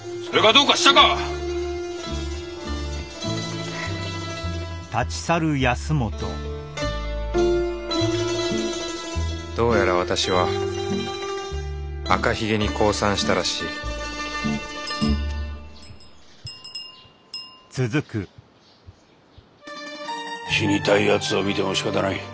どうやら私は赤ひげに降参したらしい死にたいやつを診てもしかたない。